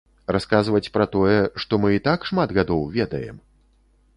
Расказваць пра тое, што мы і так шмат гадоў ведаем?